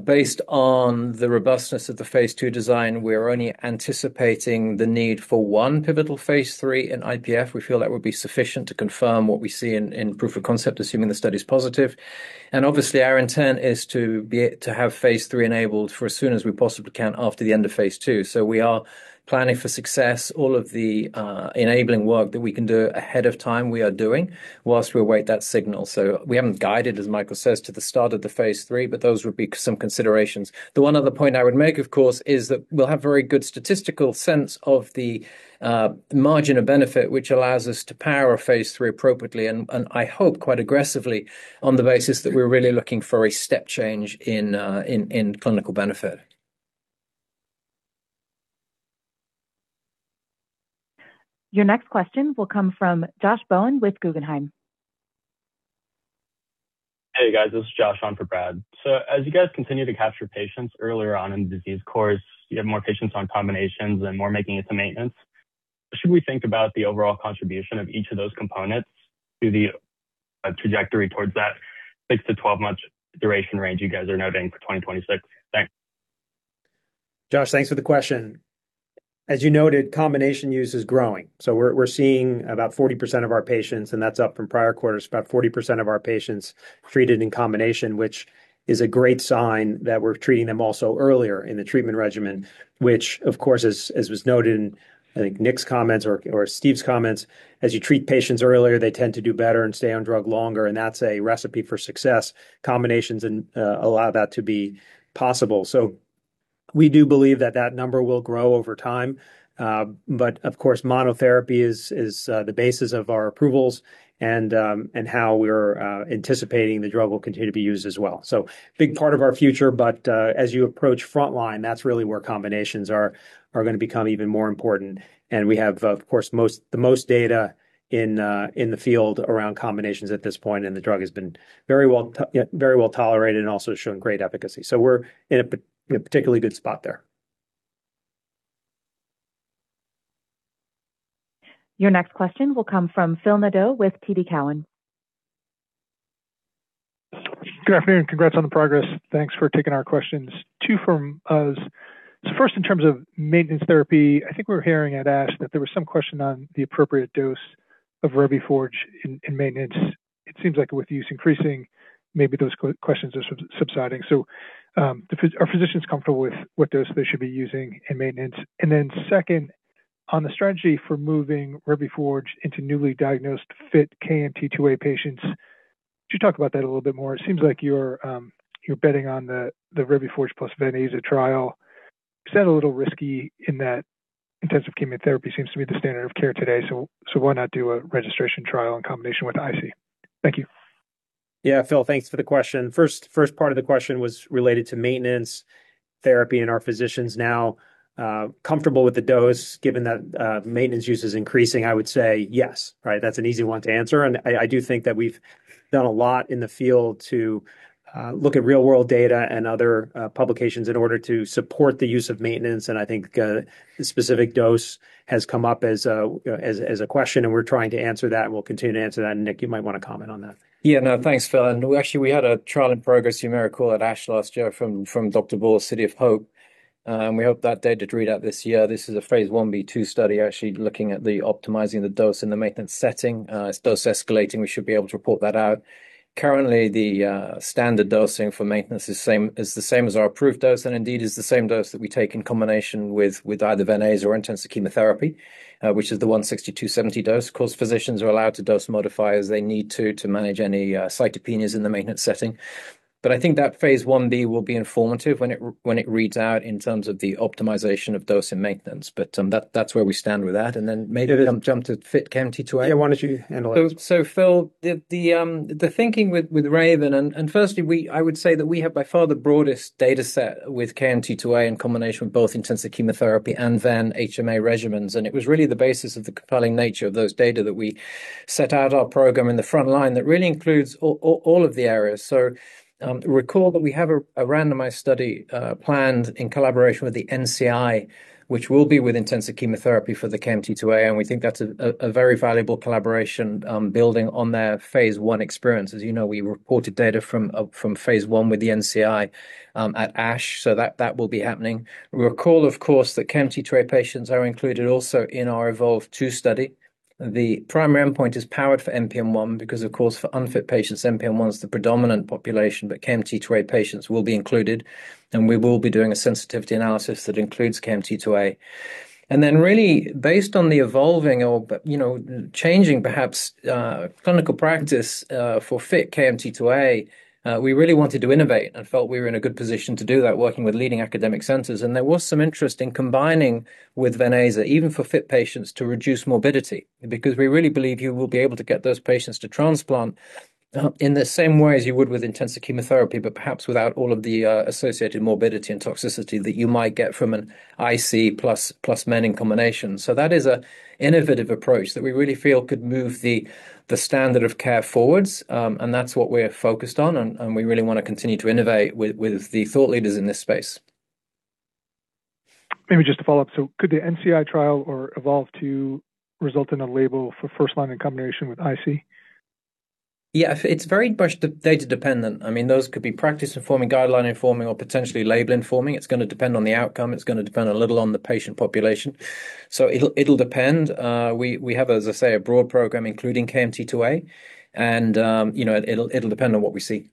Based on the robustness of the phase II design, we're only anticipating the need for one pivotal phase III in IPF. We feel that would be sufficient to confirm what we see in proof of concept, assuming the study's positive. Obviously our intent is to have phase III enabled for as soon as we possibly can after the end of phase II. We are planning for success. All of the enabling work that we can do ahead of time, we are doing whilst we await that signal. We haven't guided, as Michael says, to the start of the phase III, but those would be some considerations. The one other point I would make, of course, is that we'll have very good statistical sense of the margin of benefit, which allows us to power a phase III appropriately and, I hope quite aggressively on the basis that we're really looking for a step change in clinical benefit. Your next question will come from Josh Bowen with Guggenheim. Hey, guys, this is Josh on for Brad. As you guys continue to capture patients earlier on in the disease course, you have more patients on combinations and more making it to maintenance. Should we think about the overall contribution of each of those components to the trajectory towards that six-12 month duration range you guys are noting for 2026? Thanks. Josh, thanks for the question. As you noted, combination use is growing. We're seeing about 40% of our patients, and that's up from prior quarters, about 40% of our patients treated in combination, which is a great sign that we're treating them also earlier in the treatment regimen, which of course, as was noted in, I think, Nick's comments or Steve's comments, as you treat patients earlier, they tend to do better and stay on drug longer, and that's a recipe for success. Combinations allow that to be possible. We do believe that that number will grow over time. Of course, monotherapy is the basis of our approvals and how we're anticipating the drug will continue to be used as well. Big part of our future, but as you approach frontline, that's really where combinations are gonna become even more important. We have, of course, the most data in the field around combinations at this point, and the drug has been very well tolerated and also shown great efficacy. We're in a particularly good spot there. Your next question will come from Phil Nadeau with TD Cowen. Good afternoon, congrats on the progress. Thanks for taking our questions. Two from us. First, in terms of maintenance therapy, I think we're hearing at ASH that there was some question on the appropriate dose of Revuforj in maintenance. It seems like with use increasing, maybe those questions are subsiding. Are physicians comfortable with what dose they should be using in maintenance? Second, on the strategy for moving Revuforj into newly diagnosed fit KMT2A patients, could you talk about that a little bit more? It seems like you're betting on the Revuforj plus venetoclax trial. Is that a little risky in that intensive chemotherapy seems to be the standard of care today, so why not do a registration trial in combination with IC? Thank you. Yeah, Phil, thanks for the question. First part of the question was related to maintenance therapy and are physicians now comfortable with the dose given that maintenance use is increasing? I would say yes, right? That's an easy one to answer. I do think that we've done a lot in the field to look at real-world data and other publications in order to support the use of maintenance. I think the specific dose has come up as a question, and we're trying to answer that, and we'll continue to answer that. Nick, you might wanna comment on that. Yeah, no, thanks, Phil. Actually, we had a trial in progress you may recall at ASH last year from Dr. Aldoss, City of Hope. We hope that data to read out this year. This is a phase I-B/II study actually looking at the optimizing the dose in the maintenance setting. It's dose escalating. We should be able to report that out. Currently, the standard dosing for maintenance is the same as our approved dose, and indeed is the same dose that we take in combination with either ven/aza or intensive chemotherapy, which is the 160, 270 dose. Of course, physicians are allowed to dose modify as they need to manage any cytopenias in the maintenance setting. I think that phase I-B will be informative when it reads out in terms of the optimization of dose and maintenance. That's where we stand with that. Then maybe jump to fit KMT2A. Yeah, why don't you handle it? Phil, the thinking with RAVEN, firstly, I would say that we have by far the broadest dataset with KMT2A in combination with both intensive chemotherapy and then HMA regimens. It was really the basis of the compelling nature of those data that we set out our program in the front line that really includes all of the areas. Recall that we have a randomized study planned in collaboration with the NCI, which will be with intensive chemotherapy for the KMT2A, and we think that's a very valuable collaboration building on their phase I experience. As you know, we reported data from phase I with the NCI at ASH, that will be happening. Recall, of course, that KMT2A patients are included also in our EVOLVE-2 study. The primary endpoint is powered for NPM1 because of course for unfit patients, NPM1 is the predominant population, but KMT2A patients will be included, and we will be doing a sensitivity analysis that includes KMT2A. Really based on the evolving or, you know, changing perhaps clinical practice for fit KMT2A, we really wanted to innovate and felt we were in a good position to do that working with leading academic centers. There was some interest in combining with ven/aza, even for fit patients to reduce morbidity, because we really believe you will be able to get those patients to transplant in the same way as you would with intensive chemotherapy, but perhaps without all of the associated morbidity and toxicity that you might get from an IC plus menin combination. That is an innovative approach that we really feel could move the standard of care forward, and that's what we're focused on, and we really want to continue to innovate with the thought leaders in this space. Maybe just to follow up, could the NCI trial or EVOLVE-2 result in a label for first-line in combination with IC? Yeah, it's very much data dependent. I mean, those could be practice informing, guideline informing, or potentially label informing. It's going to depend on the outcome. It's going to depend a little on the patient population. It'll depend. We have, as I say, a broad program, including KMT2A, and, you know, it'll depend on what we see.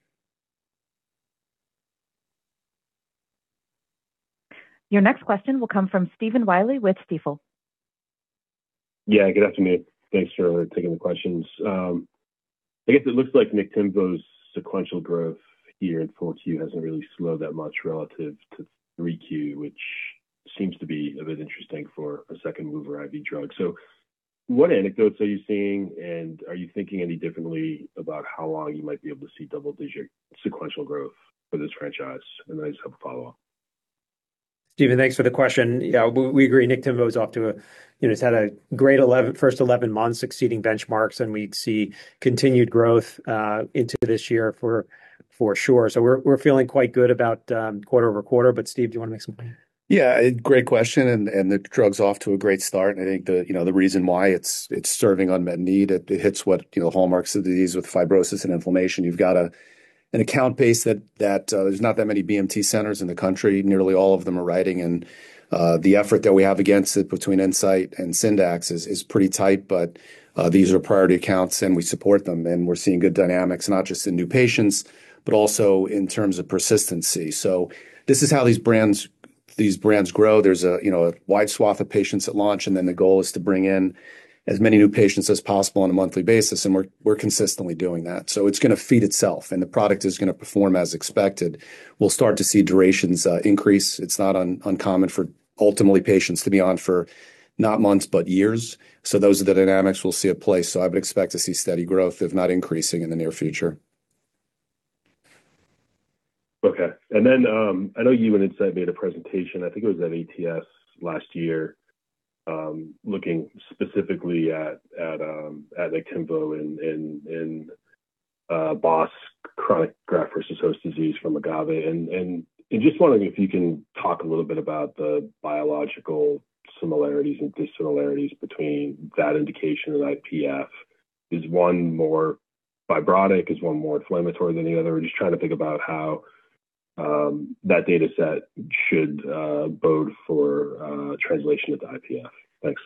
Your next question will come from Stephen Willey with Stifel. Yeah, good afternoon. Thanks for taking the questions. I guess it looks like Niktimvo's sequential growth here in 4Q hasn't really slowed that much relative to 3Q, which seems to be a bit interesting for a second mover IV drug. What anecdotes are you seeing, and are you thinking any differently about how long you might be able to see double-digit sequential growth for this franchise? I just have a follow-up. Stephen, thanks for the question. Yeah, we agree. Niktimvo is off to You know, it's had a great 11, first 11 months exceeding benchmarks, and we'd see continued growth into this year for sure. We're feeling quite good about quarter-over-quarter. Steve, do you want to make some comments? Great question, and the drug's off to a great start, and I think you know, the reason why it's serving unmet need, it hits what, you know, hallmarks of the disease with fibrosis and inflammation. You've got an account base that there's not that many BMT centers in the country. Nearly all of them are writing, and the effort that we have against it between Incyte and Syndax is pretty tight, but these are priority accounts, and we support them, and we're seeing good dynamics, not just in new patients, but also in terms of persistency. This is how these brands grow. There's a, you know, a wide swath of patients at launch. The goal is to bring in as many new patients as possible on a monthly basis, and we're consistently doing that. It's going to feed itself, and the product is going to perform as expected. We'll start to see durations increase. It's not uncommon for ultimately patients to be on for not months, but years. Those are the dynamics we'll see at play. I would expect to see steady growth, if not increasing in the near future. Okay. Then, I know you and Incyte made a presentation, I think it was at ATS last year, looking specifically at Niktimvo in BOS, chronic graft-versus-host disease from AGAVE-201. Just wondering if you can talk a little bit about the biological similarities and dissimilarities between that indication and IPF. Is one more fibrotic? Is one more inflammatory than the other? Just trying to think about how that data set should bode for translation into IPF. Thanks.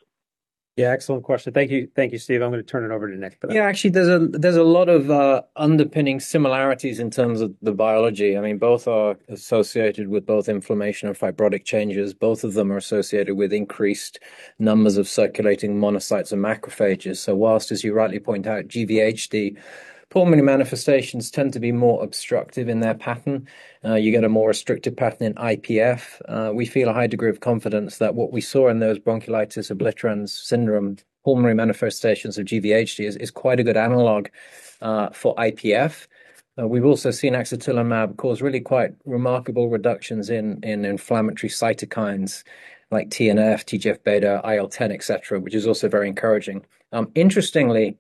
Excellent question. Thank you. Thank you, Steve. I'm going to turn it over to Nick. Yeah, actually, there's a lot of underpinning similarities in terms of the biology. I mean, both are associated with both inflammation and fibrotic changes. Both of them are associated with increased numbers of circulating monocytes and macrophages. Whilst, as you rightly point out, GVHD, pulmonary manifestations tend to be more obstructive in their pattern, you get a more restrictive pattern in IPF. We feel a high degree of confidence that what we saw in those bronchiolitis obliterans syndrome, pulmonary manifestations of GVHD is quite a good analog for IPF. We've also seen axatilimab cause really quite remarkable reductions in inflammatory cytokines like TNF, TGF-β, IL-10, et cetera, which is also very encouraging. Interestingly,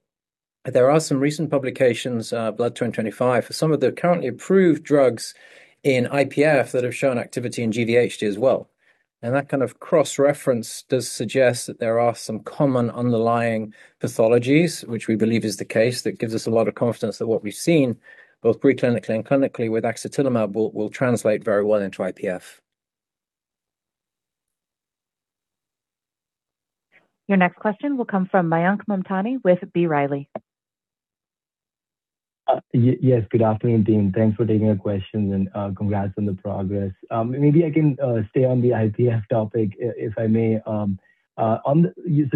there are some recent publications, Blood 2025, for some of the currently approved drugs in IPF that have shown activity in GVHD as well. That kind of cross-reference does suggest that there are some common underlying pathologies, which we believe is the case. That gives us a lot of confidence that what we've seen, both preclinically and clinically with axatilimab, will translate very well into IPF. Your next question will come from Mayank Mamtani with B. Riley. Good afternoon, team. Thanks for taking the questions, and congrats on the progress. Maybe I can stay on the IPF topic if I may.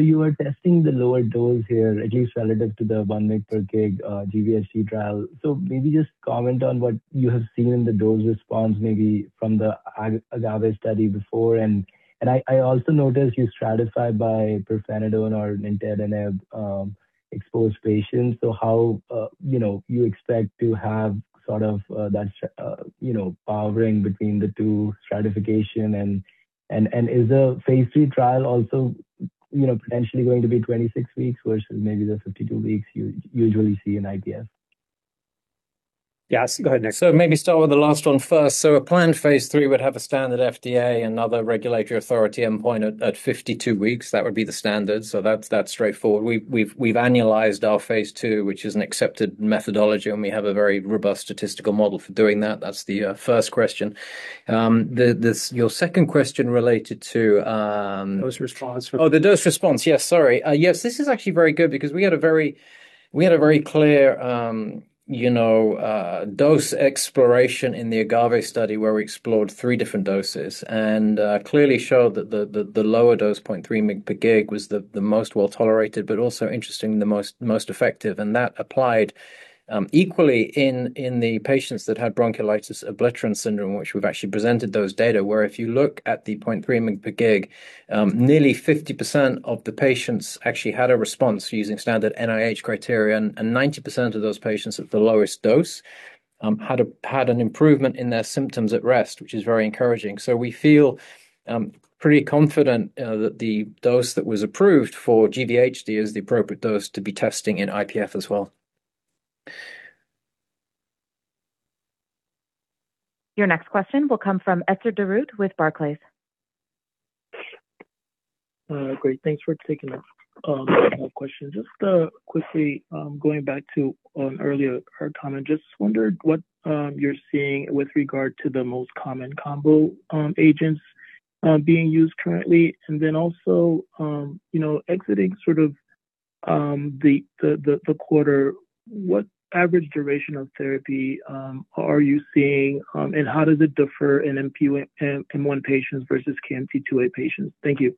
You were testing the lower dose here, at least relative to the 1 mg per kg GVHD trial. Maybe just comment on what you have seen in the dose response, maybe from the AGAVE study before. I also noticed you stratified by pirfenidone or nintedanib exposed patients. How, you know, you expect to have sort of that, you know, power in between the two stratification? Is the phase III trial also, you know, potentially going to be 26 weeks versus maybe the 52 weeks you usually see in IPF? Yes, go ahead, Nick. Maybe start with the last one first. A planned phase III would have a standard FDA and other regulatory authority endpoint at 52 weeks. That would be the standard. That's straightforward. We've annualized our phase II, which is an accepted methodology, and we have a very robust statistical model for doing that. That's the first question. Your second question related to. Dose response. The dose response. Yes, sorry. Yes, this is actually very good because we had a very clear, you know, dose exploration in the AGAVE study, where we explored three different doses and clearly showed that the lower dose, 0.3 mg per kg, was the most well-tolerated, but also interestingly, the most effective. That applied equally in the patients that had bronchiolitis obliterans syndrome, which we've actually presented those data, where if you look at the 0.3 mg/kg, nearly 50% of the patients actually had a response using standard NIH criteria. 90% of those patients at the lowest dose had an improvement in their symptoms at rest, which is very encouraging. We feel pretty confident that the dose that was approved for GVHD is the appropriate dose to be testing in IPF as well. Your next question will come from Etzer Darout with Barclays. Great, thanks for taking my question. Just quickly, going back to earlier comment, just wondered what you're seeing with regard to the most common combo agents being used currently. Also, you know, exiting sort of the quarter, what average duration of therapy are you seeing, and how does it differ in NPM1 patients versus KMT2A patients? Thank you.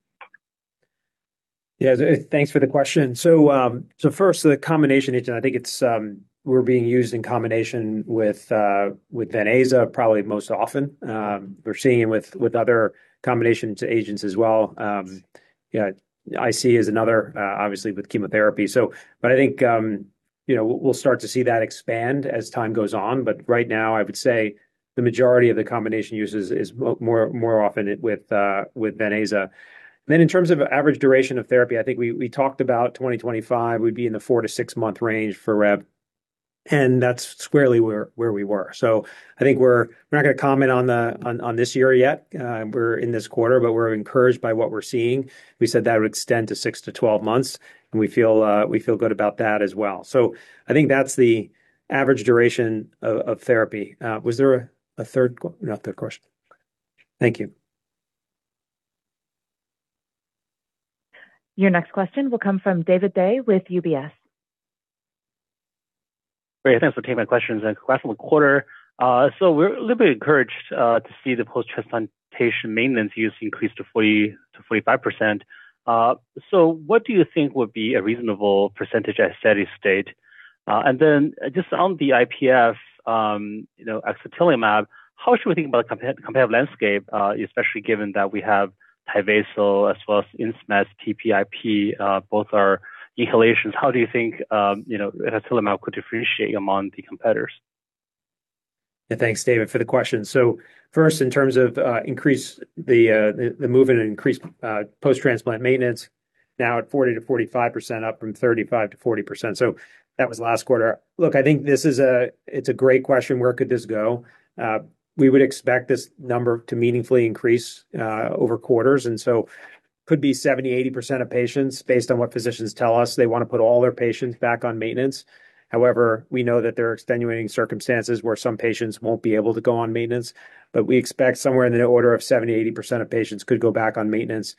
Yeah, thanks for the question. First, the combination agent, I think it's, we're being used in combination with ven/aza probably most often. We're seeing it with other combination agents as well. Yeah, IC is another, obviously with chemotherapy. I think, you know, we'll start to see that expand as time goes on. Right now, I would say the majority of the combination uses is more often it with ven/aza. In terms of average duration of therapy, I think we talked about 2020-2025, we'd be in the four-six month range for rev, and that's squarely where we were. I think we're not gonna comment on this year yet. We're in this quarter, but we're encouraged by what we're seeing. We said that would extend to six-12 months, we feel good about that as well. I think that's the average duration of therapy. Not third question. Thank you. Your next question will come from David Dai with UBS. Great. Thanks for taking my questions. Last quarter, we're a little bit encouraged to see the post-transplantation maintenance use increase to 40%-45%. What do you think would be a reasonable percentage at steady state? Just on the IPF, you know, axatilimab, how should we think about competitive landscape, especially given that we have Tyvaso as well as Insmed's TPIP, both are inhalations. How do you think, you know, axatilimab could differentiate among the competitors? Thanks, David, for the question. First, in terms of post-transplant maintenance now at 40%-45%, up from 35%-40%. That was last quarter. Look, I think this is a great question. Where could this go? We would expect this number to meaningfully increase over quarters, could be 70%, 80% of patients based on what physicians tell us. They wanna put all their patients back on maintenance. However, we know that there are extenuating circumstances where some patients won't be able to go on maintenance. We expect somewhere in the order of 70%, 80% of patients could go back on maintenance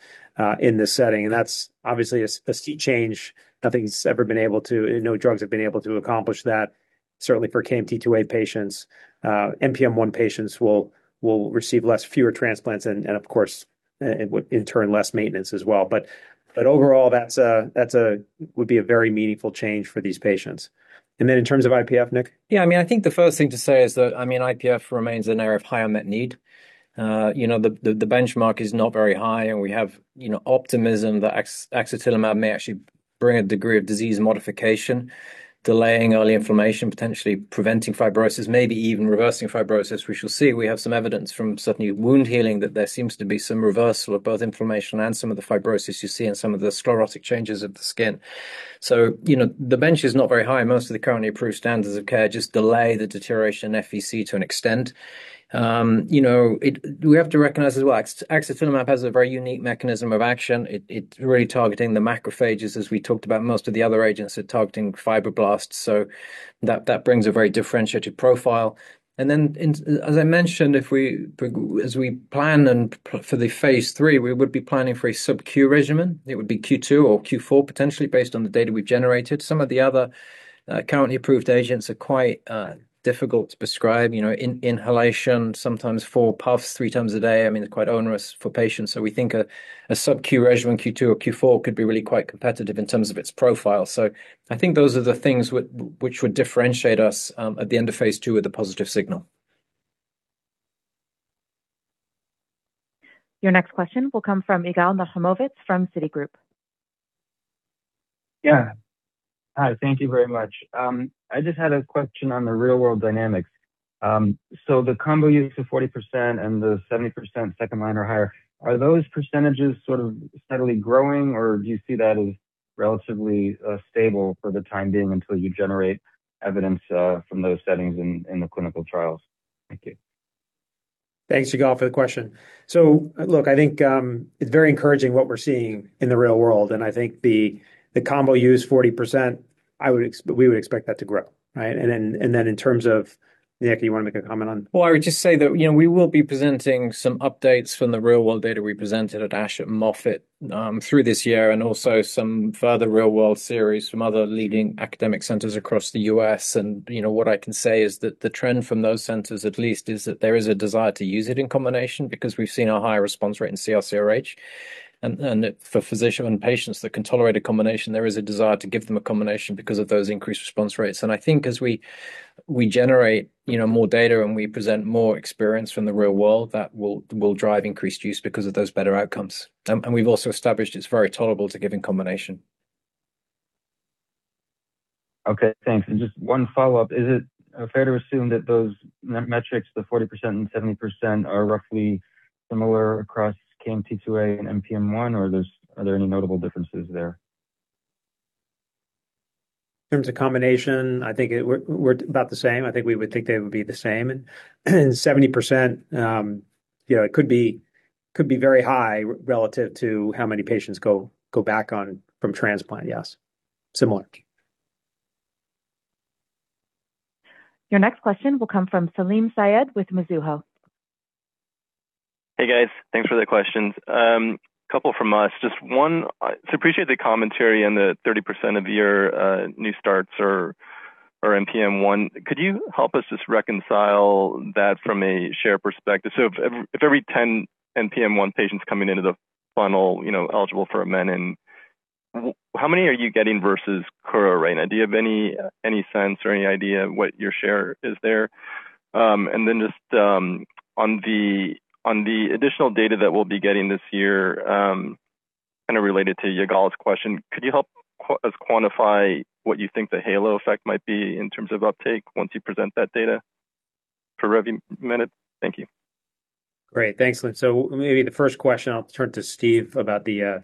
in this setting, and that's obviously a steep change. Nothing's ever been able to. No drugs have been able to accomplish that, certainly for KMT2A patients. NPM1 patients will receive fewer transplants and of course, in turn, less maintenance as well. Overall, that would be a very meaningful change for these patients. Then in terms of IPF, Nick? Yeah. I mean, I think the first thing to say is that, I mean, IPF remains an area of high unmet need. You know, the benchmark is not very high, and we have, you know, optimism that axatilimab may actually bring a degree of disease modification, delaying early inflammation, potentially preventing fibrosis, maybe even reversing fibrosis. We shall see. We have some evidence from certainly wound healing that there seems to be some reversal of both inflammation and some of the fibrosis you see in some of the sclerotic changes of the skin. You know, the bench is not very high. Most of the currently approved standards of care just delay the deterioration in FVC to an extent. You know, we have to recognize as well, axatilimab has a very unique mechanism of action. It really targeting the macrophages, as we talked about, most of the other agents are targeting fibroblasts, so that brings a very differentiated profile. As I mentioned, as we plan for the phase III, we would be planning for a sub-Q regimen. It would be Q2 or Q4, potentially based on the data we've generated. Some of the other currently approved agents are quite difficult to prescribe. You know, inhalation, sometimes four puffs three times a day, I mean, it's quite onerous for patients. We think a sub-Q regimen, Q2 or Q4, could be really quite competitive in terms of its profile. I think those are the things which would differentiate us at the end of phase II with a positive signal. Your next question will come from Yigal Nochomovitz from Citigroup. Yeah. Hi, thank you very much. I just had a question on the real-world dynamics. The combo use of 40% and the 70% second line or higher, are those percentages sort of steadily growing, or do you see that as relatively stable for the time being until you generate evidence from those settings in the clinical trials? Thank you. Thanks, Yigal, for the question. Look, I think, it's very encouraging what we're seeing in the real world, and I think the combo use 40%, we would expect that to grow, right? Then in terms of, Nick, you wanna make a comment on? Well, I would just say that, you know, we will be presenting some updates from the real-world data we presented at ASH at Moffitt through this year and also some further real-world series from other leading academic centers across the U.S. What I can say is that the trend from those centers, at least, is that there is a desire to use it in combination because we've seen a higher response rate in CR/CRh. For physician and patients that can tolerate a combination, there is a desire to give them a combination because of those increased response rates. I think as we generate, you know, more data and we present more experience from the real world, that will drive increased use because of those better outcomes. We've also established it's very tolerable to give in combination. Okay, thanks. Just one follow-up. Is it fair to assume that those metrics, the 40% and 70%, are roughly similar across KMT2A and NPM1, or are there any notable differences there? In terms of combination, I think we're about the same. I think we would think they would be the same. 70%, you know, it could be very high relative to how many patients go back on from transplant. Yes, similar. Your next question will come from Salim Syed with Mizuho. Hey guys, thanks for the questions. A couple from us. Just one, appreciate the commentary on the 30% of your new starts or NPM1. Could you help us just reconcile that from a share perspective? If every 10 NPM1 patients coming into the funnel, you know, eligible for menin and how many are you getting versus? Do you have any sense or any idea what your share is there? And then just on the additional data that we'll be getting this year, kinda related to Yigal's question, could you help us quantify what you think the halo effect might be in terms of uptake once you present that data for Revuforj? Thank you. Great. Thanks, Salim. Maybe the first question, I'll turn to Steve about the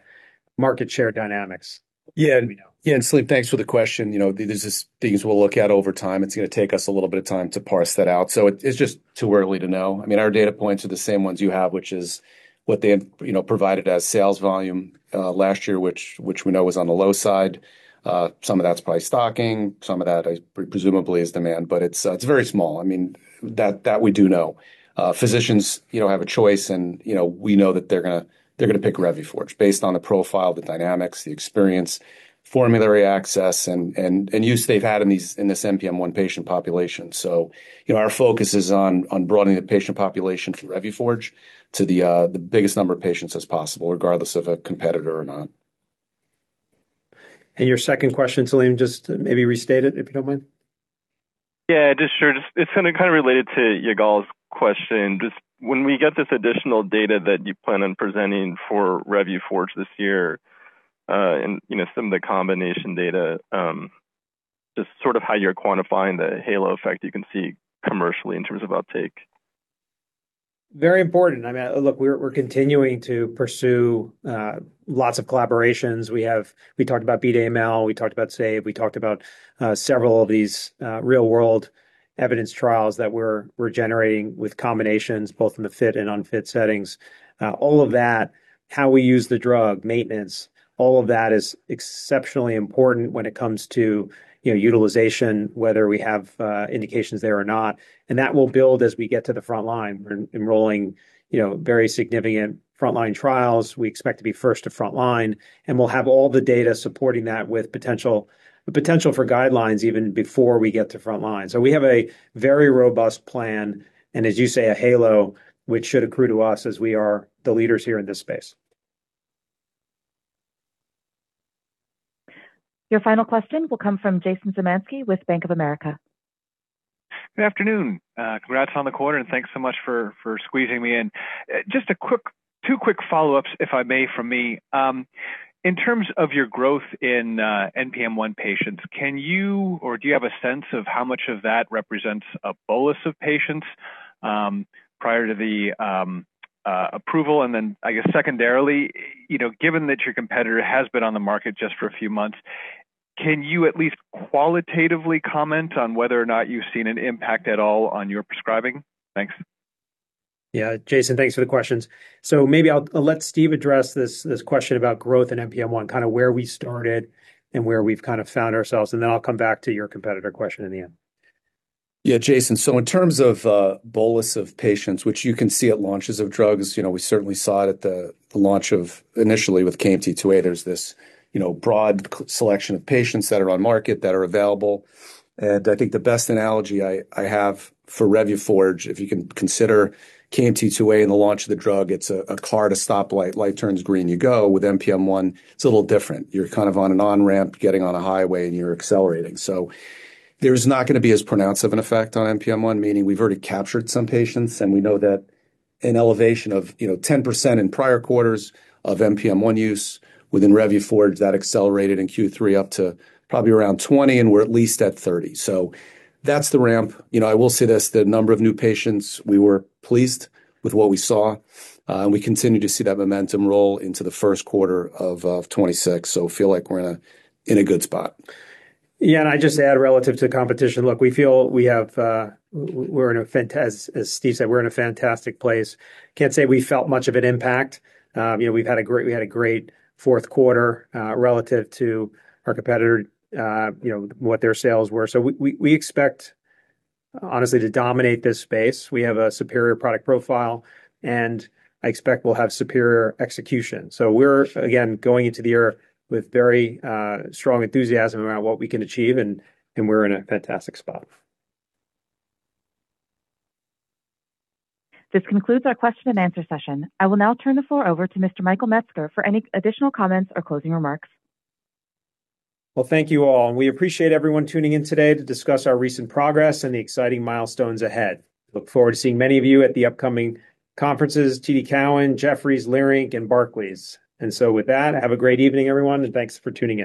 market share dynamics. Yeah. Yeah. Salim, thanks for the question. You know, there's just things we'll look at over time. It's gonna take us a little bit of time to parse that out. It's just too early to know. I mean, our data points are the same ones you have, which is what they have, you know, provided as sales volume last year, which we know was on the low side. Some of that's probably stocking, some of that presumably is demand, but it's very small. I mean, that we do know. Physicians, you know, have a choice and, you know, we know that they're gonna pick Revuforj based on the profile, the dynamics, the experience, formulary access, and use they've had in these, in this NPM1 patient population. You know, our focus is on broadening the patient population for Revuforj to the biggest number of patients as possible, regardless if a competitor or not. Your second question, Salim, just maybe restate it, if you don't mind. Yeah, just sure. Just it's kinda related to Yigal's question. When we get this additional data that you plan on presenting for Revuforj this year, and you know, some of the combination data, sort of how you're quantifying the halo effect you can see commercially in terms of uptake? Very important. I mean, look, we're continuing to pursue lots of collaborations. We have. We talked about BEAT AML, we talked about SAVE, we talked about several of these real world evidence trials that we're generating with combinations, both in the fit and unfit settings. All of that, how we use the drug maintenance, all of that is exceptionally important when it comes to, you know, utilization, whether we have indications there or not, and that will build as we get to the front line. We're enrolling, you know, very significant front line trials. We expect to be first to front line, and we'll have all the data supporting that with the potential for guidelines even before we get to front line. We have a very robust plan, and as you say, a halo, which should accrue to us as we are the leaders here in this space. Your final question will come from Jason Zemansky with Bank of America. Good afternoon. Congrats on the quarter, and thanks so much for squeezing me in. Just two quick follow-ups, if I may, from me. In terms of your growth in NPM1 patients, can you or do you have a sense of how much of that represents a bolus of patients prior to the approval? I guess secondarily, you know, given that your competitor has been on the market just for a few months, can you at least qualitatively comment on whether or not you've seen an impact at all on your prescribing? Thanks. Yeah. Jason, thanks for the questions. Maybe I'll let Steve address this question about growth in NPM1, kinda where we started and where we've kind of found ourselves, and then I'll come back to your competitor question in the end. Yeah, Jason. In terms of bolus of patients, which you can see at launches of drugs, you know, we certainly saw it at the launch of initially with KMT2A. There's this, you know, broad selection of patients that are on market that are available, and I think the best analogy I have for Revuforj, if you can consider KMT2A in the launch of the drug, it's a car to stop light. Light turns green, you go. With NPM1, it's a little different. You're kind of on an on-ramp getting on a highway, and you're accelerating. There's not gonna be as pronounced of an effect on NPM1, meaning we've already captured some patients, and we know that an elevation of, you know, 10% in prior quarters of NPM1 use within Revuforj, that accelerated in Q3 up to probably around 20%, and we're at least at 30%. That's the ramp. You know, I will say this, the number of new patients, we were pleased with what we saw, and we continue to see that momentum roll into the first quarter of 2026. Feel like we're in a, in a good spot. Yeah, I just add relative to competition. Look, as Steve said, we're in a fantastic place. Can't say we felt much of an impact. You know, we had a great fourth quarter, relative to our competitor, you know, what their sales were. We expect honestly to dominate this space. We have a superior product profile, and I expect we'll have superior execution. We're again going into the year with very strong enthusiasm around what we can achieve and we're in a fantastic spot. This concludes our question and answer session. I will now turn the floor over to Mr. Michael Metzger for any additional comments or closing remarks. Well, thank you all. We appreciate everyone tuning in today to discuss our recent progress and the exciting milestones ahead. Look forward to seeing many of you at the upcoming conferences, TD Cowen, Jefferies, Leerink, and Barclays. With that, have a great evening, everyone, and thanks for tuning in